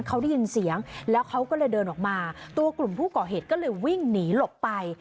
เขาได้ยินเสียงแล้วเขาก็เลยเดินออกมาตัวกลุ่มผู้ก่อเหตุก็เลยวิ่งหนีหลบไป